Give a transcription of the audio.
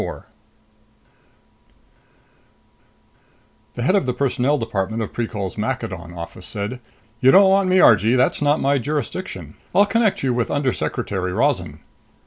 4 The head of the personnel department of Precol's Maccadon office said, "You don't want me, Argee. That's not my jurisdiction. I'll connect you with Undersecretary Rozan."